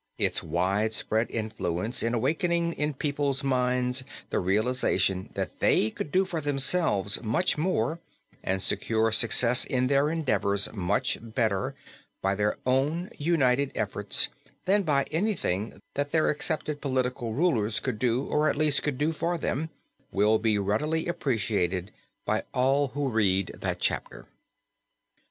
Its widespread influence in awakening in people's minds the realization that they could do for themselves much more, and secure success in their endeavors much better by their own united efforts, than by anything that their accepted political rulers could do or at least would do for them, will be readily appreciated by all who read that chapter.